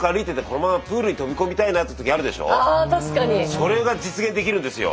それが実現できるんですよ。